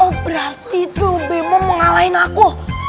oh berarti itu bimbo mengalahin aku